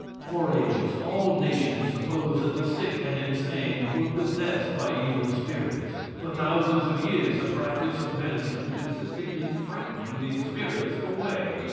For ages all nations supposed that the sick and insane were possessed by evil spirits. For thousands of years the practice of medicine consisted in frightening these spirits away.